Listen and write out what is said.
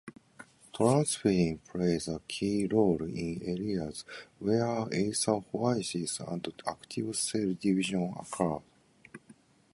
Transferrin plays a key role in areas where erythropoiesis and active cell division occur.